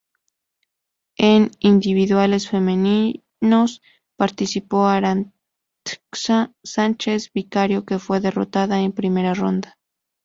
En individuales femeninos participó Arantxa Sánchez Vicario que fue derrotada en primera ronda.